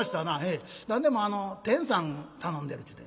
「何でも天さん頼んでるっちゅうて」。